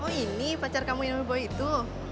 oh ini pacar kamu yang nama boy itu